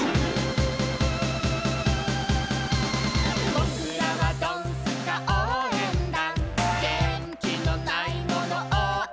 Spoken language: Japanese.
「ぼくらはドンスカおうえんだん」「げんきのないものおうえんだ！！」